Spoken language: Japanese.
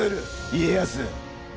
家康。